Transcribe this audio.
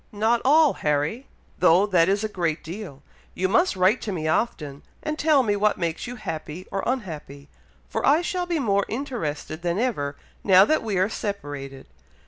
"Not all, Harry! though that is a great deal; you must write to me often, and tell me what makes you happy or unhappy, for I shall be more interested than ever, now that we are separated.